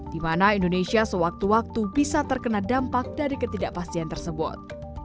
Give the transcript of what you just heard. di mana indonesia sewaktu waktu bisa terkena dampak dari ketidakpastian tersebut